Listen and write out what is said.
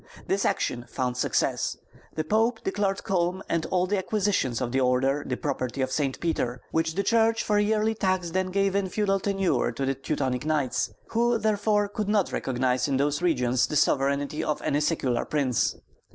This action found success; the Pope declared Culm and all the acquisitions of the order the property of Saint Peter, which the church for a yearly tax then gave in feudal tenure to the Teutonic Knights, who therefore could not recognize in those regions the sovereignty of any secular prince.